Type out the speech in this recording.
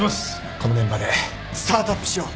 このメンバーでスタートアップしよう。